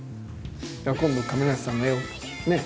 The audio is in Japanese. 今度亀梨さんの絵をね